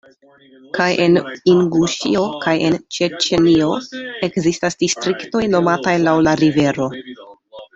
Kaj en Inguŝio kaj en Ĉeĉenio ekzistas distriktoj nomataj laŭ la rivero.